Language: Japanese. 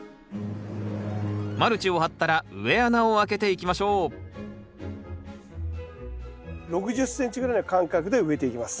マルチを張ったら植え穴をあけていきましょう６０ｃｍぐらいの間隔で植えていきます。